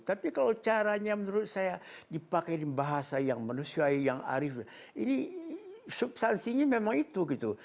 tapi kalau caranya menurut saya dipakai di bahasa yang manusia yang arif ini substansinya memang itu gitu